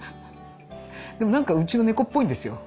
でもなんかうちの猫っぽいんですよ